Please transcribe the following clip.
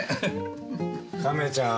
亀ちゃん。